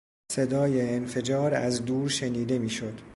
صدای انفجار از دور شنیده میشد.